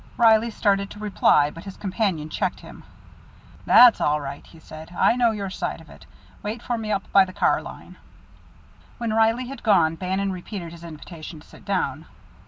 Reilly started to reply, but his companion checked him. "That's all right," he said. "I know your side of it. Wait for me up by the car line." When Reilly had gone Bannon repeated his invitation to sit down.